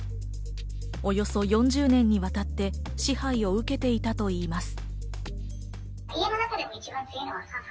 およそ４０年にわたって支配を受けていたといいます。